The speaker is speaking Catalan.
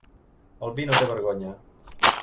El vi no té vergonya.